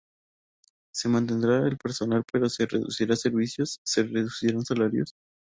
Se mantendrá el personal pero se reducirán servicios?, se reducirán salarios?